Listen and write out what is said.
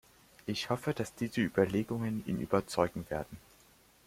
Ich hoffe, dass diese Überlegungen ihn überzeugen werden.